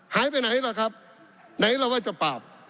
หายไปไหนล่ะครับไหนล่ะว่าจะปราบ